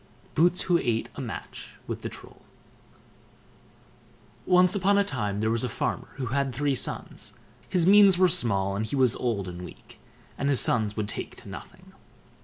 BOOTS WHO ATE A MATCH WITH THE TROLL Once on a time there was a farmer who had three sons; his means were small, and he was old and weak, and his sons would take to nothing.